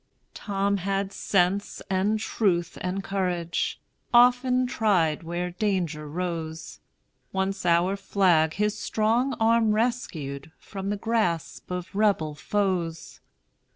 Tom had sense and truth and courage, Often tried where danger rose: Once our flag his strong arm rescued From the grasp of Rebel foes.